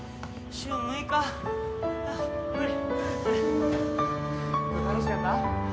今日楽しかった？